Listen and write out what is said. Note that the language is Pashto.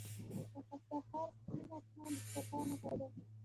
• د سهار سپین آسمان د صفا نښه ده.